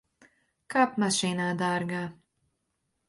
Kāp mašīnā, dārgā.